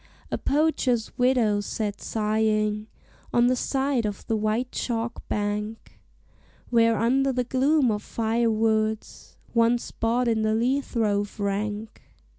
A poacher's widow sat sighing On the side of the white chalk bank, Where, under the gloom of fire woods, One spot in the lea throve rank.